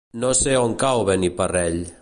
No sé on cau Beniparrell.